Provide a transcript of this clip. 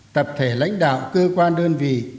tập thể lãnh đạo cơ quan đơn vị